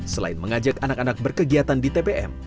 selain mengajak anak anak berkegiatan di tpm